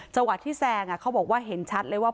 จวัดที่แซงเขาบอกเห็นชัดเลยว่า